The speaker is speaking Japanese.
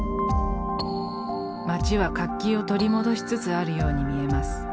町は活気を取り戻しつつあるように見えます。